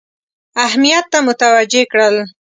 اهمیت ته متوجه کړل.